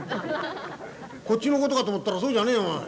こっちのことかと思ったらそうじゃねえよお前。